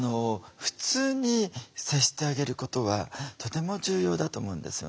普通に接してあげることはとても重要だと思うんですよね。